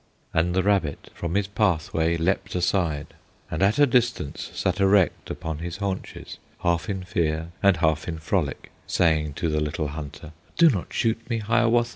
And the rabbit from his pathway Leaped aside, and at a distance Sat erect upon his haunches, Half in fear and half in frolic, Saying to the little hunter, "Do not shoot me, Hiawatha!"